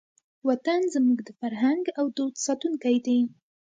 وطن زموږ د فرهنګ او دود ساتونکی دی.